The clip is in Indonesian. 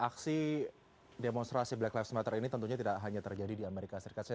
aksi demonstrasi black lives matter ini tentunya tidak hanya terjadi di amerika serikat